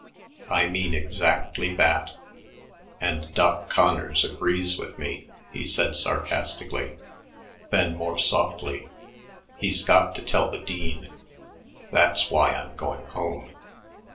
"I mean exactly that; and Doc Conners agrees with me," he added sarcastically. Then more softly, "He's got to tell the dean. That's why I'm going home."